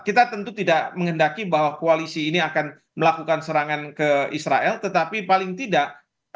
kita tentu tidak menghendaki bahwa koalisi ini akan melakukan serangan ke israel tetapi paling tidak